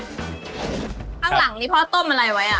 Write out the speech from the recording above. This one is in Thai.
ข้างหลังนี่พ่อต้มอะไรไว้